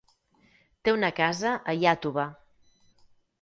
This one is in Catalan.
Té una casa a Iàtova.